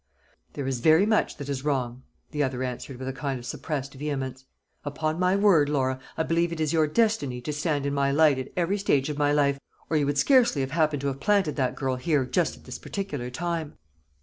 "There is very much that is wrong," the other answered with a kind of suppressed vehemence. "Upon my word, Laura, I believe it is your destiny to stand in my light at every stage of my life, or you would scarcely have happened to have planted that girl here just at this particular time."